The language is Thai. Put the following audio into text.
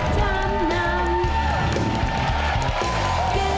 ไป